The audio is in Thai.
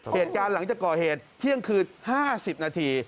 เหตุการณ์หลังจากก่อเหตุเที่ยงคืน๕๐นาที